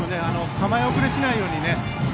構え遅れしないようにね。